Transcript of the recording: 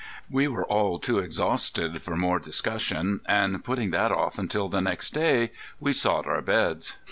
We were all too exhausted for more discussion and putting that off until the next day we sought our beds.